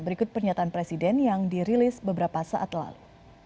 berikut pernyataan presiden yang dirilis beberapa saat lalu